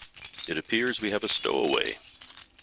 It appears we have a stowaway.